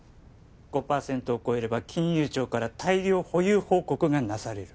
５％を超えれば金融庁から大量保有報告がなされる